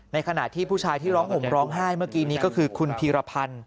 ขณะที่ผู้ชายที่ร้องห่มร้องไห้เมื่อกี้นี้ก็คือคุณพีรพันธ์